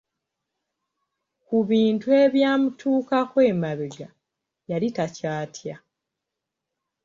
Ku bintu ebyamutuukako emabega, yali takyatya.